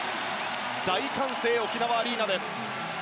大歓声、沖縄アリーナです。